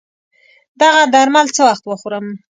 دغه درمل څه وخت وخورم